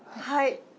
はい。